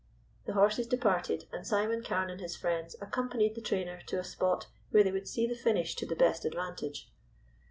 The horses departed, and Simon Carne and his friends accompanied the trainer to a spot where they would see the finish to the best advantage.